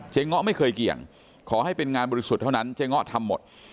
เงาะไม่เคยเกี่ยงขอให้เป็นงานบริสุทธิ์เท่านั้นเจ๊เงาะทำหมด